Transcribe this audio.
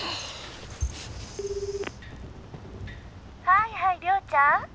「はいはい龍ちゃん」。